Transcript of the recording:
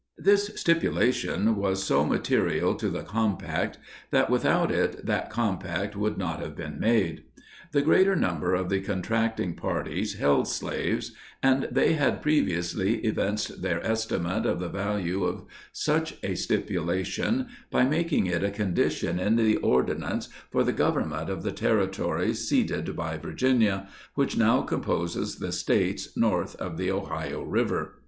This stipulation was so material to the compact, that without it that compact would not have been made. The greater number of the contracting parties held slaves, and they had previously evinced their estimate of the value of such a stipulation by making it a condition in the Ordinance for the government of the territory ceded by Virginia, which now composes the States north of the Ohio river.